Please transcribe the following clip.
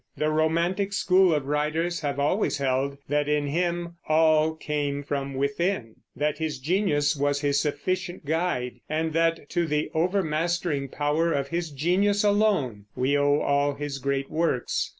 The romantic school of writers have always held that in him "all came from within"; that his genius was his sufficient guide; and that to the overmastering power of his genius alone we owe all his great works.